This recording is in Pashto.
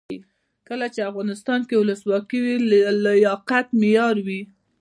کله چې افغانستان کې ولسواکي وي لیاقت معیار وي.